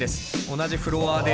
同じフロアで。